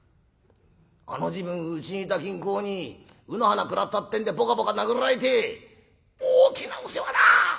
あの時分うちにいた金公に卯の花食らったってんでぽかぽか殴られて大きなお世話だ！